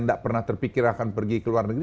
tidak pernah terpikir akan pergi ke luar negeri